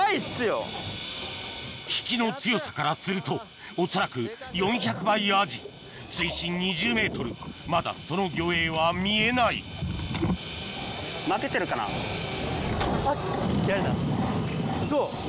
引きの強さからすると恐らく４００倍アジ水深２０ｍまだその魚影は見えないウソ。